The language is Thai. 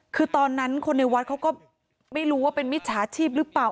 คือตอนนั้นคนในวัดเขาก็ไม่รู้ว่าเป็นมิจฉาชีพหรือเปล่า